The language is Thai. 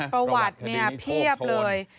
ประวัติเนี่ยเพียบเลย